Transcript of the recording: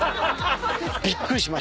びっくりしました。